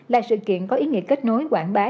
là sự kiện có ý nghĩa kết nối quảng bá